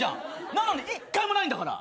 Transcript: なのに一回もないんだから。